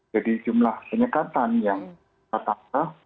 jadi jumlah penyekatan yang katakan